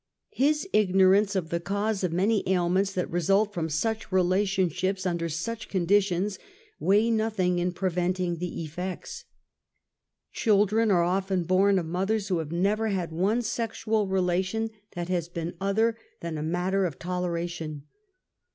His ignorance of the cause of many ailments that result from such relationships under such conditions, weigh nothing in preventing the effects. Children are often born of mothers who have never liad one sexual relation that has been other than a HYMENS. 55 matter of toleration.